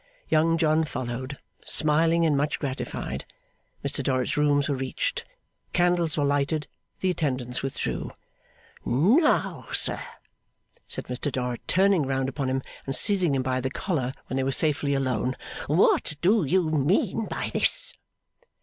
Young John followed, smiling and much gratified. Mr Dorrit's rooms were reached. Candles were lighted. The attendants withdrew. 'Now, sir,' said Mr Dorrit, turning round upon him and seizing him by the collar when they were safely alone. 'What do you mean by this?